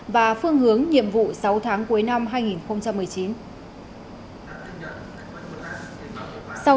và phương hướng nhiệm vụ sáu tháng cuối năm hai nghìn một mươi chín